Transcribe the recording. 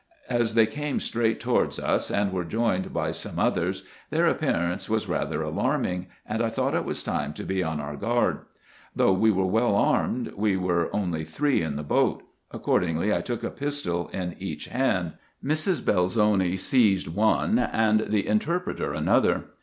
As they came straight towards us, and were joined by some others, their appearance was rather alarming, and I thought it was time to be on our guard. Though we were well armed, we were only three in the boat : accordingly I took a pistol in each hand ; Mrs. Belzoni also seized one, and the interpreter another.